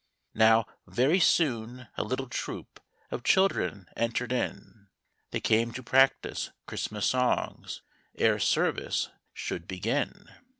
Mow, very soon a little troop, Of children entered in : They came to practice Christmas songs Ere service should begin.